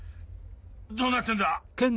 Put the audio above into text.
どうなってんだ？